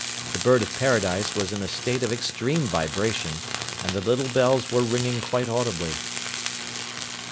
The Bird of Paradise was in a state of extreme vibration, and the little bells were ringing quite audibly.